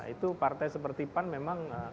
itu partai seperti pan memang